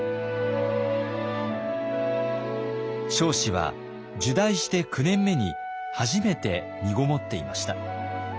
彰子は入内して９年目に初めてみごもっていました。